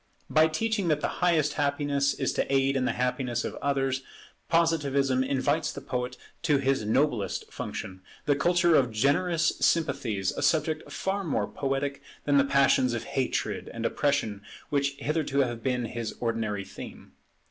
By teaching that the highest happiness is to aid in the happiness of others, Positivism invites the poet to his noblest function, the culture of generous sympathies, a subject far more poetic than the passions of hatred and oppression which hitherto have been his ordinary theme.